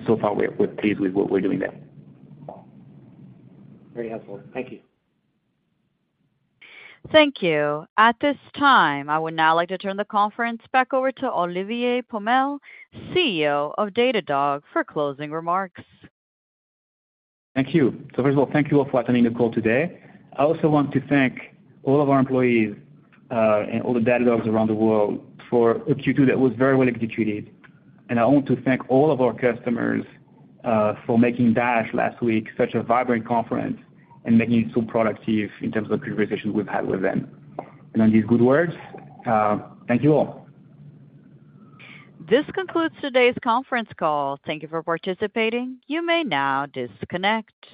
So far, we're, we're pleased with what we're doing there. Very helpful. Thank you. Thank you. At this time, I would now like to turn the conference back over to Olivier Pomel, CEO of Datadog, for closing remarks. Thank you. First of all, thank you all for attending the call today. I also want to thank all of our employees, and all the Datadog around the world for a Q2 that was very well executed. I want to thank all of our customers, for making DASH last week such a vibrant conference and making it so productive in terms of the conversations we've had with them. On these good words, thank you all. This concludes today's conference call. Thank you for participating. You may now disconnect